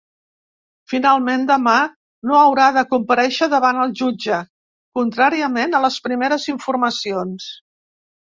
Finalment, demà no haurà de comparèixer davant el jutge, contràriament a les primeres informacions.